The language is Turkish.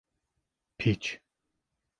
Piç!